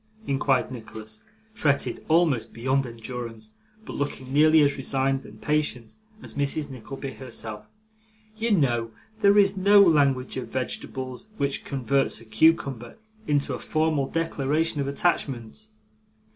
inquired Nicholas, fretted almost beyond endurance, but looking nearly as resigned and patient as Mrs. Nickleby herself. 'You know, there is no language of vegetables, which converts a cucumber into a formal declaration of attachment.